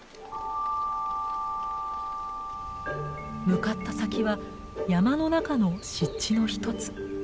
向かった先は山の中の湿地の一つ。